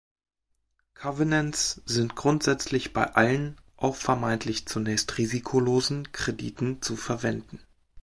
Covenants sind grundsätzlich bei allen, auch vermeintlich zunächst risikolosen, Krediten zu verwenden.